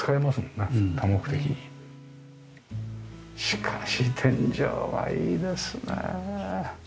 しかし天井がいいですねえ。